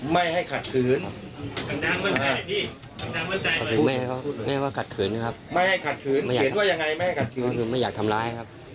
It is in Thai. ไม่อยากทำร้ายครับคือไม่อยากทำร้าย